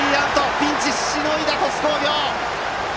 ピンチをしのいだ鳥栖工業。